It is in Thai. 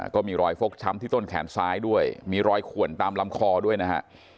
ก็มีรอยฟกช้ำที่ต้นแขนซ้ายด้วยมีรอยขวนตามลำคอด้วยนะฮะ